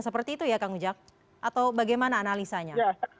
seperti itu ya kang ujang atau bagaimana analisanya